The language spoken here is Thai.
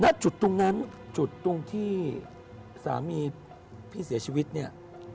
จุดตรงนั้นจุดตรงที่สามีพี่เสียชีวิตเนี่ย